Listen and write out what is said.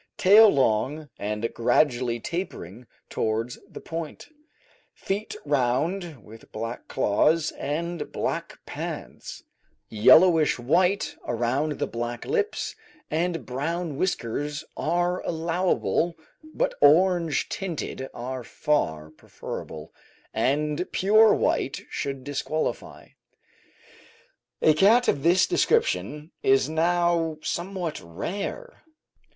Tail long, and gradually tapering towards the point; feet round, with black claws, and black pads; yellowish white around the black lips and brown whiskers are allowable, but orange tinted are far preferable, and pure white should disqualify. A cat of this description is now somewhat rare.